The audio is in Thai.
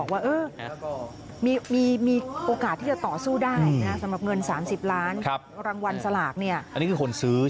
เขาไม่ติดต่อผมแต่ว่าคุยกันแล้ว